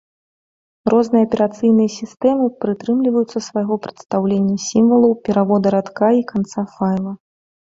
Розныя аперацыйныя сістэмы прытрымліваюцца свайго прадстаўлення сімвалаў перавода радка і канца файла.